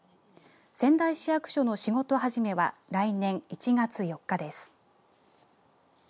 仙台市役所の仕事始めは来年１月４日です。